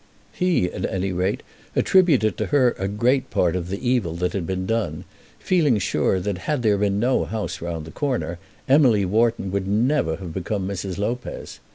He, at any rate, attributed to her a great part of the evil that had been done, feeling sure that had there been no house round the corner, Emily Wharton would never have become Mrs. Lopez.